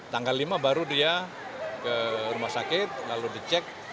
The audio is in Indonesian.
tanggal lima baru dia ke rumah sakit lalu dicek